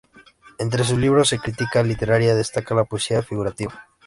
Entre sus libros de crítica literaria destaca "La poesía figurativa.